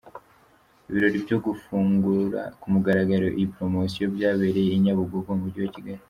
Ibirori byo gufunguro ku mugaragaro iyi poromosiyo byabereye i Nyabugogo mu mujyi wa Kigali.